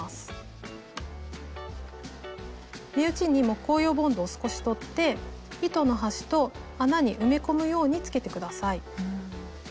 目打ちに木工用ボンドを少しとって糸の端と穴に埋め込むようにつけて下さい。